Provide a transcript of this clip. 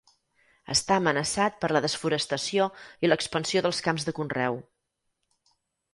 Està amenaçat per la desforestació i l'expansió dels camps de conreu.